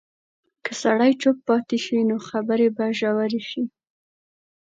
که سړی چوپ پاتې شي، نو خبرې به ژورې شي.